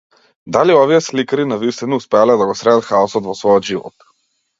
Дали овие сликари навистина успеале да го средат хаосот во својот живот?